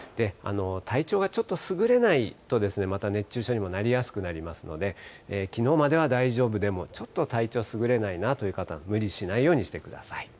体調がちょっとすぐれないと、また熱中症にもなりやすくなりますので、きのうまでは大丈夫でもちょっと体調、すぐれないなという方も無理しないようにしてください。